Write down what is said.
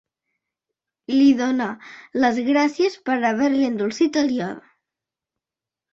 Li donà les gràcies per haver-li endolcit el iode.